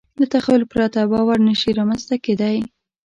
له تخیل پرته باور نهشي رامنځ ته کېدی.